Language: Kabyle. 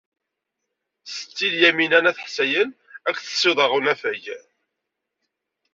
Setti Lyamina n At Ḥsayen ad k-tessiweḍ ɣer unafag.